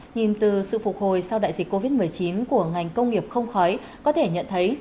nhìn từ sự phục hồi sau đại dịch covid một mươi chín của ngành công nghiệp không khói có thể nhận thấy